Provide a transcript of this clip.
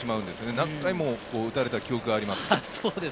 何回も打たれた記憶があります。